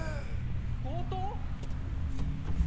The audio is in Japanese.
強盗！？